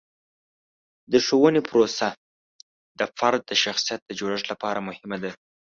د ښوونې پروسه د فرد د شخصیت د جوړښت لپاره مهمه ده.